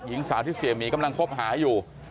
หญิงสาวที่เสียหมีกำลังคบหาอยู่